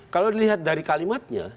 kalau dilihat dari kalimatnya